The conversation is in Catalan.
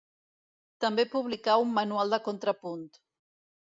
També publicà un manual de contrapunt.